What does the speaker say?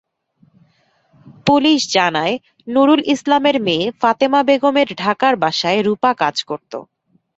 Police জানায়, নুরুল ইসলামের মেয়ে ফাতেমা বেগমের ঢাকার বাসায় রূপা কাজ করত।